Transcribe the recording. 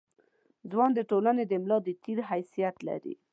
ځوان د ټولنې د ملا د تیر حیثیت لري.